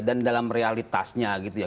dalam realitasnya gitu ya